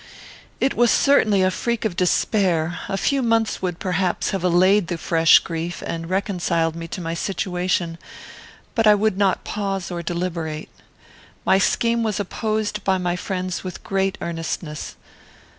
"It was certainly a freak of despair. A few months would, perhaps, have allayed the fresh grief, and reconciled me to my situation; but I would not pause or deliberate. My scheme was opposed by my friends with great earnestness.